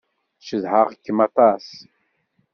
Cedhaɣ-kem aṭas.